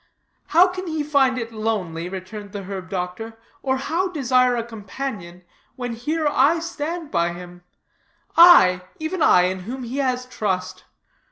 "How can he find it lonely," returned the herb doctor, "or how desire a companion, when here I stand by him; I, even I, in whom he has trust.